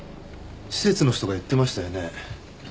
施設の人が言ってましたよね。